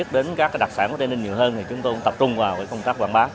đến các đặc sản của tây ninh nhiều hơn thì chúng tôi cũng tập trung vào công tác quảng bá